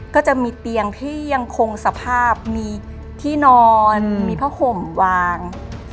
ก็จะมีเตียงที่ยังคงสภาพมีที่นอนมีผ้าห่มวาง